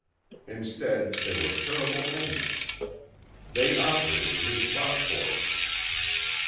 Instead they were terrible intimates. They operated his thought for him.